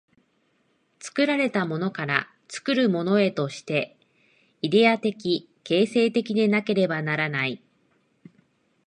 作られたものから作るものへとして、イデヤ的形成的でなければならない。